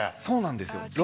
そうなんですよ。